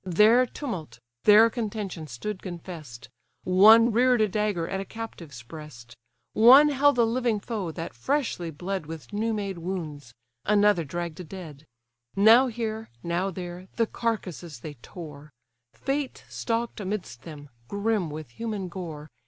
There Tumult, there Contention stood confess'd; One rear'd a dagger at a captive's breast; One held a living foe, that freshly bled With new made wounds; another dragg'd a dead; Now here, now there, the carcases they tore: Fate stalk'd amidst them, grim with human gore.